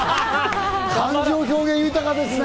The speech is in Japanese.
感情表現豊かですね！